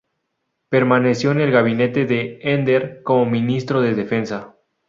Permaneció en el gabinete de Ender como ministro de Defensa.